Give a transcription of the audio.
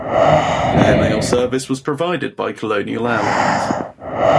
Airmail service was provided by Colonial Airlines.